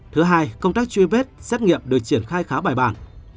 thứ hai công tác truy vết xét nghiệm được triển khai khá bài bản